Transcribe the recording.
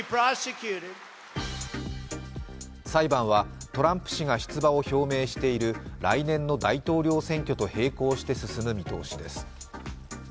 裁判はトランプ氏が出馬を表明している来年の大統領選挙と並行して進む見通しです。